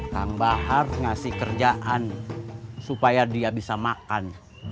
kang bahar ngasih kerjaan supaya dia bisa makan